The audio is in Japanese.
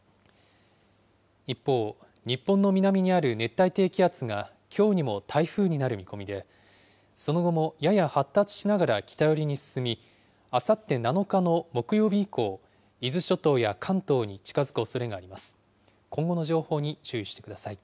一方、日本の南にある熱帯低気圧がきょうにも台風になる見込みで、その後もやや発達しながら北寄りに進み、あさって７日の木曜日以降、伊豆諸島や関東に近づくおそれがあります。